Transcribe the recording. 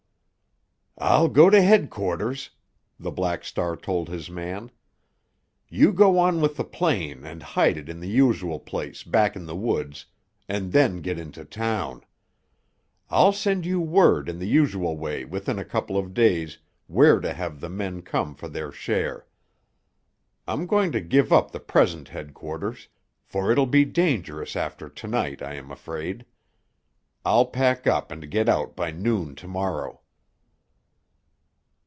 "I'll go to headquarters," the Black Star told his man. "You go on with the plane and hide it in the usual place back in the woods, and then get into town. I'll send you word in the usual way within a couple of days where to have the men come for their share. I'm going to give up the present headquarters, for it'll be dangerous after to night, I am afraid. I'll pack up and get out by noon to morrow."